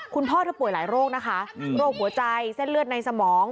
เธอป่วยหลายโรคนะคะโรคหัวใจเส้นเลือดในสมอง